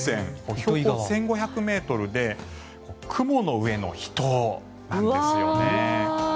標高１５００ｍで雲の上の秘湯なんですよね。